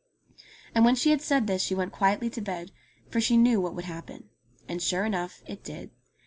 And when she had said this she went quietly to bed, for she knew what would happen. And sure enough it did.